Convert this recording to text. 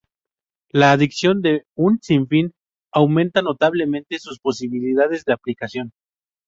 La adición de un sin fin aumenta notablemente sus posibilidades de aplicación.